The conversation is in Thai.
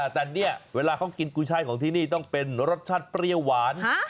แต่เนี่ยเวลาเขากินกุช่ายของที่นี่ต้องเป็นรสชาติเปรี้ยวหวาน